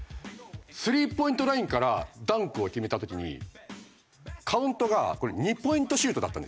３ポイントラインからダンクを決めた時にカウントがこれ２ポイントシュートだったんです。